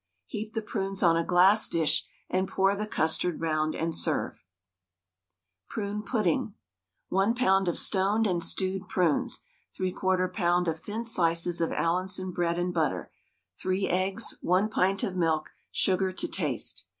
Heap the prunes on a glass dish and pour the custard round, and serve. PRUNE PUDDING. 1 lb. of stoned and stewed prunes, 3/4 lb. of thin slices of Allinson bread and butter, 3 eggs, 1 pint of milk, sugar to taste.